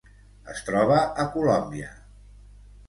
Es troba a Colòmbia.